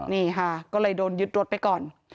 นี่ค่ะก็เลยโดนยึดรถไปก่อน